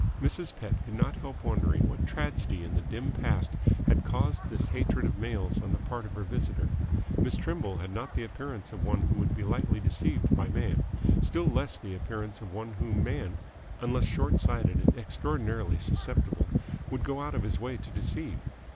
Mrs. Pett could not help wondering what tragedy in the dim past had caused this hatred of males on the part of her visitor. Miss Trimble had not the appearance of one who would lightly be deceived by Man; still less the appearance of one whom Man, unless short sighted and extraordinarily susceptible, would go out of his way to deceive.